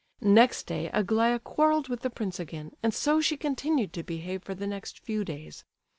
Next day Aglaya quarrelled with the prince again, and so she continued to behave for the next few days.